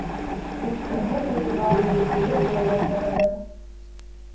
Він скрегоче зубами й б'є кулаком по дереву.